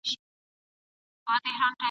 تل مدام یې تر درنو بارونو لاندي ..